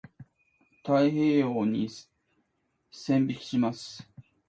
太平洋に線引きます。